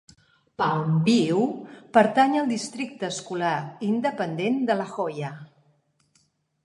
Palmview pertany al districte escolar independent de La Joya.